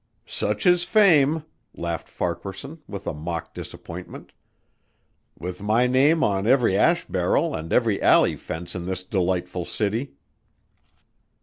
"Such is fame," laughed Farquaharson with a mock disappointment, "with my name on every ash barrel and every alley fence in this delightful city!"